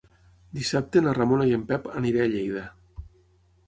Dissabte na Ramona i en Pep aniré a Lleida.